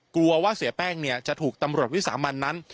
กลัวว่าเสียแป้งเนี่ยจะถูกตำรวจวิสามันนั้น